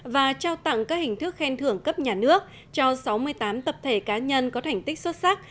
và trao tặng các hình thức khen thưởng cấp nhà nước cho sáu mươi tám tập thể cá nhân có thành tích xuất sắc